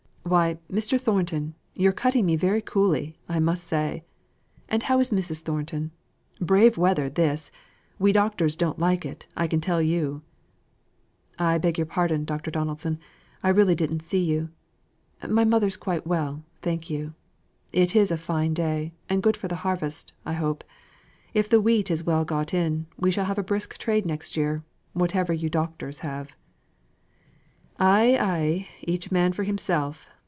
"Why, Mr. Thornton! you're cutting me very coolly, I must say. And how is Mrs. Thornton? Brave weather this! We doctors don't like it, I can tell you!" "I beg your pardon, Dr. Donaldson. I really didn't see you. My mother's quite well, thank you. It is a fine day, and good for the harvest, I hope. If the wheat is well got in, we shall have a brisk trade next year, whatever you doctors have." "Ay, ay. Each man for himself.